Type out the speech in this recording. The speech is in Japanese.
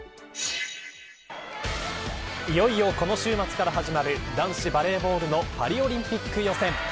いよいよ、この週末から始まる男子バレーボールのパリオリンピック予選。